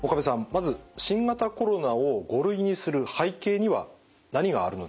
まず新型コロナを５類にする背景には何があるのでしょうか？